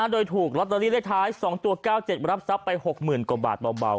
โดยถูกลอตเตอรี่เลขท้าย๒ตัว๙๗รับทรัพย์ไป๖๐๐๐กว่าบาทเบา